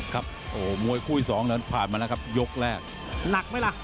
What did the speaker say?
ครับโอ้โหมวยคู่อีกสองนั้นผ่านมาแล้วครับยกแรกหนักไหมล่ะ